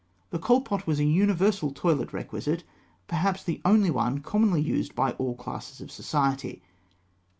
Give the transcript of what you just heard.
The Kohl pot was a universal toilet requisite; perhaps the only one commonly used by all classes of society.